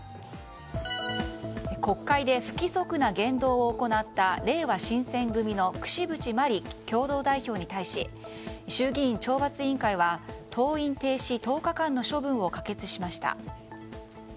国会で不規則な言動を行ったれいわ新選組の櫛渕万里共同代表に対し衆議院懲罰委員会は登院停止１０日間の処罰を可決しました。